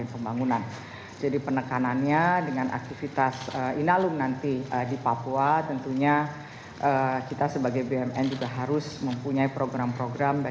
kementerian keuangan telah melakukan upaya upaya